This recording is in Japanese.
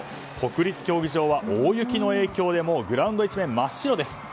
国立競技場は大雪の影響でもう、グラウンド一面真っ白です。